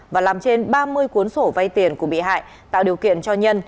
và làm trên ba mươi cuốn sổ vay tiền của bị hại tạo điều kiện cho nhân